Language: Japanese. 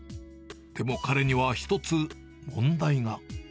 でも、彼には１つ問題が。